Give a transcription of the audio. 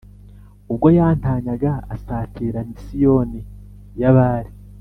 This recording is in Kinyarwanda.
ubwo yatanyaga asatira misiyoni ya bare